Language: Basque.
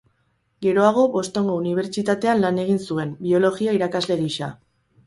Geroago Bostongo unibertsitatean lan egin zuen, biologia irakasle gisa.